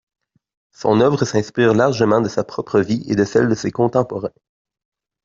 Son œuvre s’inspire largement de sa propre vie et de celle de ses contemporains.